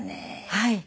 はい。